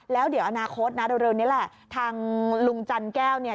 แล้วเดี๋ยวอนาคตนะเร็วนี้แหละทางลุงจันแก้วเนี่ย